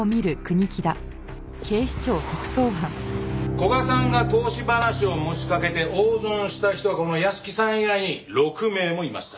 古賀さんが投資話を持ちかけて大損した人この屋敷さん以外に６名もいました。